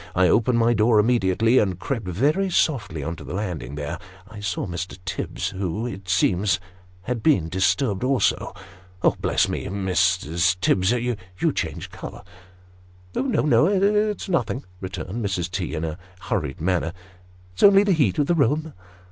I opened my door immediately, and crept very softly on to the landing ; there I saw Mr. Tibbs, who, it seems, had been disturbed also. Bless me, Mrs. Tibbs, you change colour !"" No, no it's nothing," returned Mrs. T. in a hurried manner ;" it's only the heat of the room."